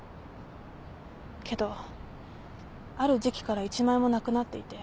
けどある時期から一枚もなくなっていて。